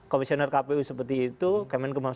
komisioner kpu seperti itu kemen kepala